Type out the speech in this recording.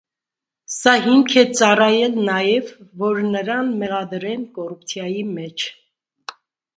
Սա հիմք է ծառայել նաև, որ նրան մեղադրեն կոռուպցիայի մեջ։